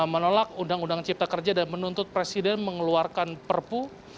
menolak undang undang cipta kerja dan menuntut presiden mengeluarkan perpu